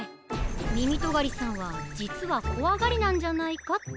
みみとがりさんはじつはこわがりなんじゃないかって。